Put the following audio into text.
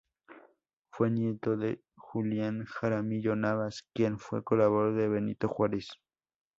Fue nieto de Julián Jaramillo Navas, quien fue colaborador de Benito Juárez.